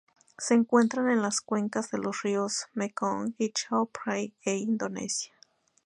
Se encuentran en las cuencas de los ríos Mekong y Chao Phraya, e Indonesia.